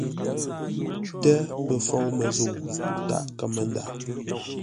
Tə́ pə FOUMƏZƏU tâʼ kámə́nda.